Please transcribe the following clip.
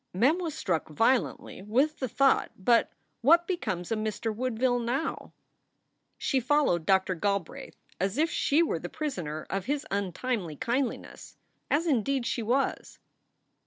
Mem was struck violently with the thought, "But what becomes of Mr. Woodville now?" She followed Doctor Galbraith as if she were the prisoner of his untimely kindliness, as indeed she was.